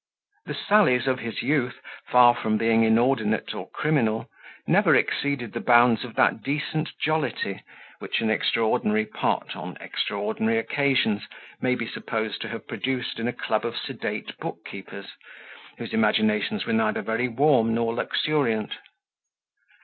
The sallies of his youth, far from being inordinate or criminal, never exceeded the bounds of that decent jollity which an extraordinary pot, on extraordinary occasions, may be supposed to have produced in a club of sedate book keepers, whose imaginations were neither very warm nor luxuriant.